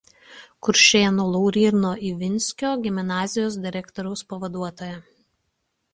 Kuršėnų Lauryno Ivinskio gimnazijos direktoriaus pavaduotoja.